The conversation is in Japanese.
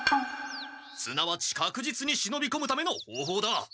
すなわちかくじつに忍びこむための方法だ！